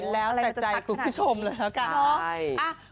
แล้วแต่ใจคุณผู้ชมเลยละกัน